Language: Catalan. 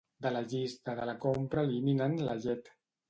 De la llista de la compra elimina'n la llet.